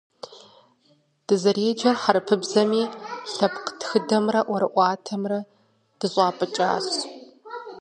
Дызэреджэр хьэрыпыбзэми, лъэпкъ тхыдэмрэ ӀуэрыӀуатэмрэ дыщӀапӀыкӀащ.